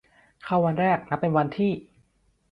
เข้าวันแรกนับเป็นวันที่